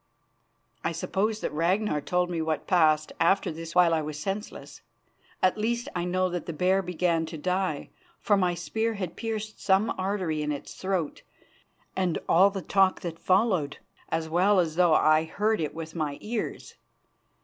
I suppose that Ragnar told me what passed after this while I was senseless. At least, I know that the bear began to die, for my spear had pierced some artery in its throat, and all the talk which followed, as well as though I heard it with my ears.